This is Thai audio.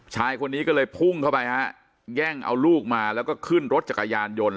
ชายคนนี้ก็เลยพุ่งเข้าไปฮะแย่งเอาลูกมาแล้วก็ขึ้นรถจักรยานยนต์